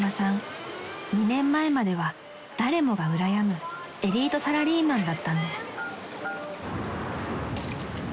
２年前までは誰もがうらやむエリートサラリーマンだったんです］